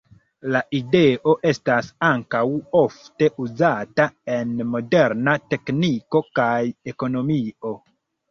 La ideo estas ankaŭ ofte uzata en moderna tekniko kaj ekonomio.